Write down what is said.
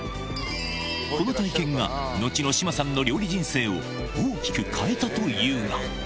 この体験が、のちの志麻さんの料理人生を大きく変えたというが。